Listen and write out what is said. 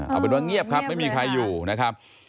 เอาเป็นว่าเงียบครับไม่มีใครอยู่นะครับ